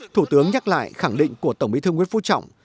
thủ tướng nhắc lại khẳng định của tổng bí thư nguyễn phú trọng